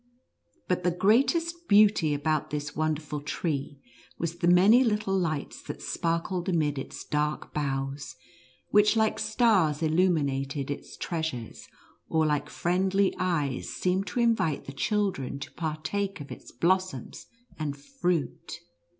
But the great est beauty about this wonderful tree, was the many little lights that sparkled amid its dark boughs, which like stars illuminated its treasures, or like friendly eyes seemed to invite the child ren to partake of its blossoms and fruit.